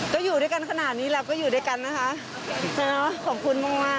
ก็อยู่ด้วยกันขนาดนี้เราก็อยู่ด้วยกันนะคะขอบคุณมากมาก